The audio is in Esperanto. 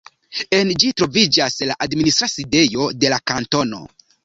En ĝi troviĝas la administra sidejo de la kantono.